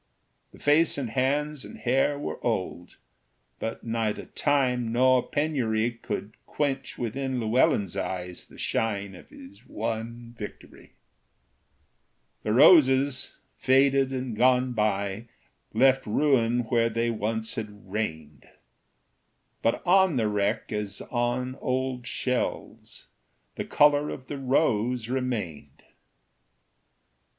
The face and hands and hair were old, But neither time nor penury Could quench within Llewellyn's eyes The shine of his one victory. The roses, faded and gone by, Left ruin where they once had reigned; But on the wreck, as on old shells, The color of the rose remained.